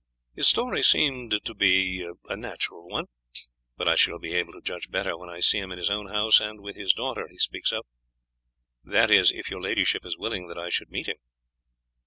His story seemed to me to be a natural one; but I shall be able to judge better when I see him in his own house and with this daughter he speaks of; that is, if your ladyship is willing that I should meet him."